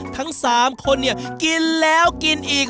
ทั้ง๓คนเนี่ยกินแล้วกินอีก